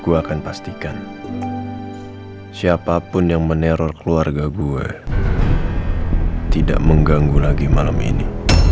aku akan pastikan siapapun yang meneror keluarga gue tidak mengganggu lagi malam ini